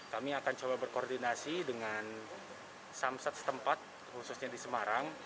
kami akan coba berkoordinasi dengan samsat setempat khususnya di semarang